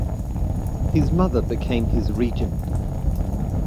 His mother became his regent.